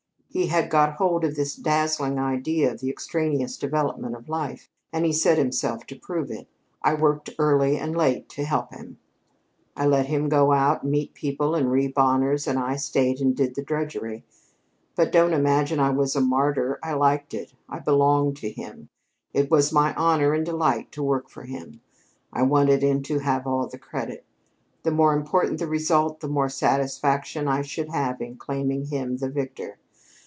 He had got hold of this dazzling idea of the extraneous development of life, and he set himself to prove it. I worked early and late to help him. I let him go out and meet people and reap honors, and I stayed and did the drudgery. But don't imagine I was a martyr. I liked it. I belonged to him. It was my honor and delight to work for him. I wanted him to have all of the credit. The more important the result, the more satisfaction I should have in proclaiming him the victor.